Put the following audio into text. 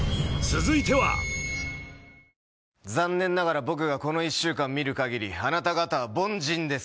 残念ながら僕がこの１週間見る限りあなた方は凡人です。